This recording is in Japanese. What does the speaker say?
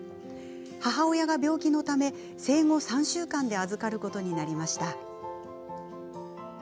母親が病気のため、生後３週間で預かることになりました。